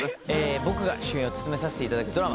僕が主演を務めさせていただくドラマ